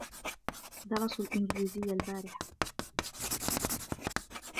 درسوا الإنجليزية البارحة.